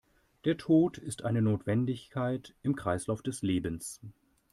Der Tod ist eine Notwendigkeit im Kreislauf des Lebens.